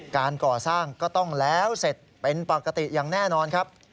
การก่อสร้างก็ต้องแล้วเสร็จเป็นปกติอย่างแน่นอนครับ